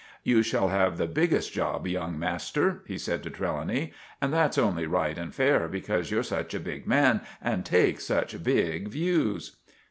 "You shall have the biggest job, young master," he said to Trelawny. "And that's only right and fair, because you're such a big man and take such big views."